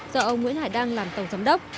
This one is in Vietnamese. do ông nguyễn hải đăng làm tổng giám đốc